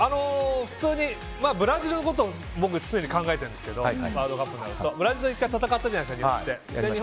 普通にブラジルのこと僕、常に考えているんですけどブラジルと１回、日本って戦ったじゃないですか。